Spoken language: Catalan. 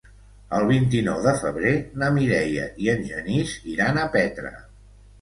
El vint-i-nou de febrer na Mireia i en Genís iran a Petra.